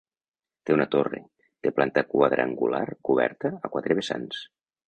Té una torre, de planta quadrangular coberta a quatre vessants.